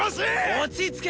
落ち着け！